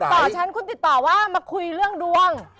ต่อฉันคุณติดต่อว่ามาคุยเรื่องดวง